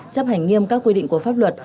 chấp hành nghiêm các quy định của pháp luật